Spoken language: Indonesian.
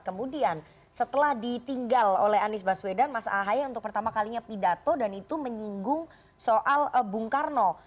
kemudian setelah ditinggal oleh anies baswedan mas ahaye untuk pertama kalinya pidato dan itu menyinggung soal bung karno